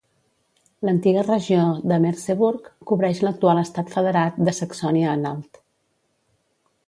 L'antiga regió de Merseburg cobreix l'actual estat federat de Saxònia-Anhalt.